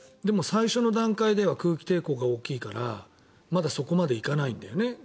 でも最初の段階では空気抵抗が大きいからまだ、そこまでいかないんだよね